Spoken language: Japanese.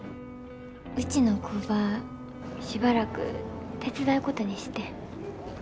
うちの工場しばらく手伝うことにしてん。